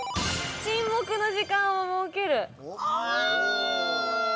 沈黙の時間を設ける。